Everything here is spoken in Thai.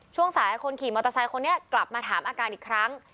ช่วงสายคนขี่มอเตอร์ไซค์คนนี้กลับมาถามอาการอีกครั้ง